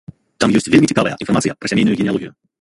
Там ёсць вельмі цікавая інфармацыя пра сямейную генеалогію.